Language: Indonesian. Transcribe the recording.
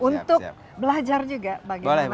untuk belajar juga bagaimana